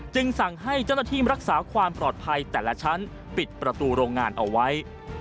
สั่งให้เจ้าหน้าที่รักษาความปลอดภัยแต่ละชั้นปิดประตูโรงงานเอาไว้